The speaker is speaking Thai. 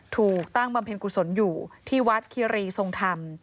ถูกตั้งบำเพ็ญกุศลอยู่ที่วัดคิรีทรงธรรม